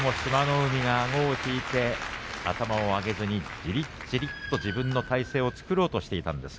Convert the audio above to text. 海があごを引いて頭を上げずにじりじりと自分の体勢を作ろうとしていました。